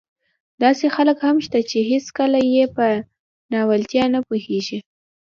داسې خلک هم شته چې هېڅکله يې په ناولتیا نه پوهېږي.